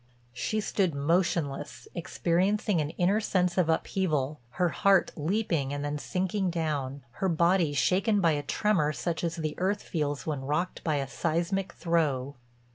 She stood motionless, experiencing an inner sense of upheaval, her heart leaping and then sinking down, her body shaken by a tremor such as the earth feels when rocked by a seismic throe.